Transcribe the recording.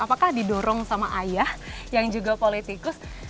apakah didorong sama ayah yang juga politikus